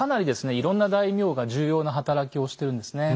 いろんな大名が重要な働きをしてるんですね。